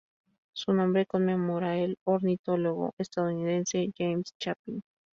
Su nombre conmemora al ornitólogo estadounidense James Chapin.